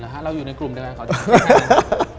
เหรอเราอยู่ในกลุ่มเดียวกันขออธิบาย